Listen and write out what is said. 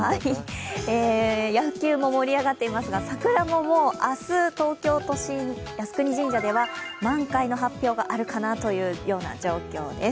野球も盛り上がっていますが、桜も明日、東京都心、靖国神社では満開の発表があるかなというような状況です。